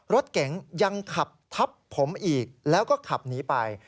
รถเก๋งยังขับทับผมอีกแล้วก็ขับหนีไป